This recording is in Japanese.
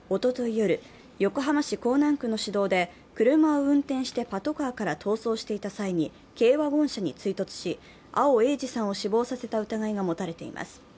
夜、横浜市港南区の市道で車を運転してパトカーから逃走していた際に軽ワゴン車に追突し阿尾栄治さんを死亡させた疑いが持たれています。